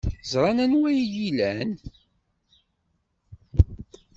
Ẓran anwa ay iyi-ilan.